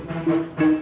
ya pak juna